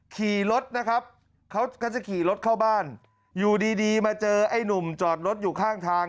ขี่รถนะครับเขาก็จะขี่รถเข้าบ้านอยู่ดีมาเจอไอ้หนุ่มจอดรถอยู่ข้างทาง